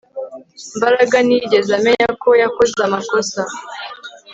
Mbaraga ntiyigeze amenya ko yakoze amakosa